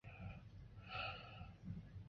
拉布鲁斯人口变化图示